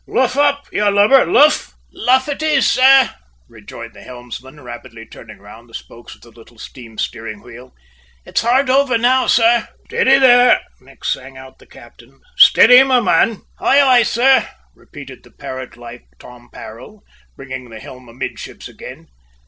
"Luff up, you lubber, luff!" "Luff it is, sir," rejoined the helmsman, rapidly turning round the spokes of the little steam steering wheel. "It's hard over now, sir." "Steady there," next sang out the captain. "Steady, my man!" "Aye, aye, sir," repeated the parrot like Tom Parrell, bringing the helm amidships again.